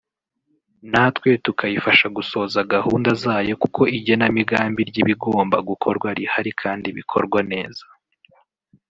natwe tukayifasha gusohoza gahunda zayo kuko igenamigambi ry’ibigomba gukorwa rirahari kandi bikorwa neza